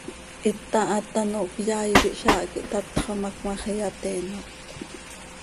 Hita haat hanoohcö yaai quih zaah quih tatxo ma, cmaax iyateenot.